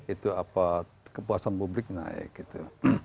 itu apa kepuasan publik naik gitu